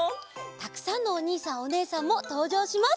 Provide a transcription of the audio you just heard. たくさんのおにいさんおねえさんもとうじょうします。